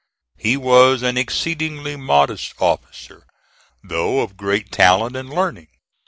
He was an exceedingly modest officer, though of great talent and learning.